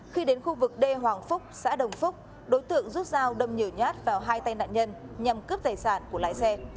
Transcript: khi đến khu vực đê hoàng phúc xã đồng phúc đối tượng rút dao đâm nhiều nhát vào hai tay nạn nhân nhằm cướp tài sản của lái xe